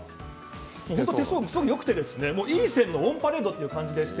手相がすごくよくていい線のオンパレードって感じでして。